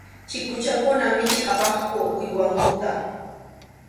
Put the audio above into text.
Chikuchakuna michiq apaqku uywankuta.